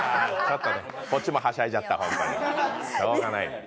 こっちもはしゃいじゃったしょうがないな。